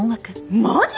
マジ？